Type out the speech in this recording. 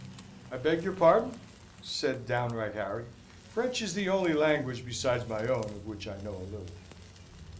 "I beg your pardon," said downright Harry, "French is the only language besides my own of which I know a little."